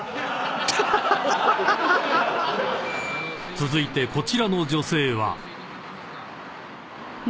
［続いてこちらの女性は］